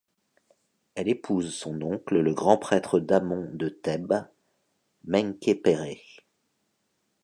Elle épouse son oncle le grand prêtre d'Amon de Thèbes, Menkhéperrê.